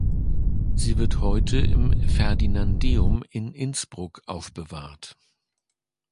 Sie wird heute im Ferdinandeum in Innsbruck aufbewahrt.